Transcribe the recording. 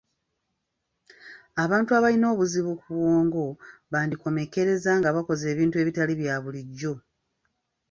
Abantu abalina obuzibu ku bwongo bandikomekkereza nga bakoze ebintu ebitali bya bulijjo.